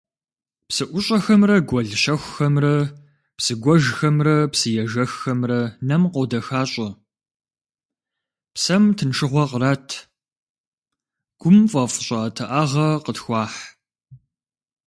Псыӏущӏэхэмрэ гуэл щэхухэмрэ, псыгуэжхэмрэ псыежэххэмрэ нэм къодэхащӏэ, псэм тыншыгъуэ кърат, гум фӏэфӏ щӏыӏэтыӏагъэ къытхуахь.